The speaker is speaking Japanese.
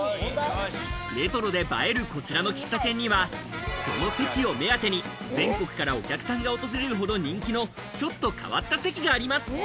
レトロで映えるこちらの喫茶店にはその席を目当てに、全国からお客さんが訪れるほど人気のちょっと変わった席があります。